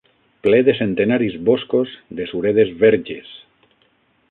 Ple de centenaris boscos de suredes verges.